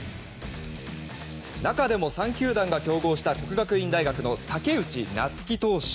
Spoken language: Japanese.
中でも３球団が競合した國學院大學の武内夏暉投手。